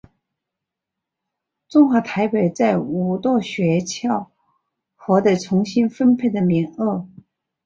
中华台北在无舵雪橇获得重新分配的名额。